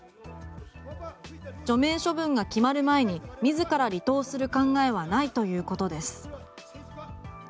除名処分が決まる前に自ら離党する考えはないということです。